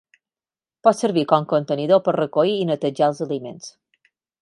Pot servir com contenidor per recollir i netejar els aliments.